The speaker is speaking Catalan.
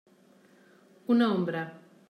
Una ombra.